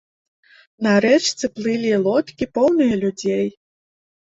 На рэчцы плылі лодкі, поўныя людзей.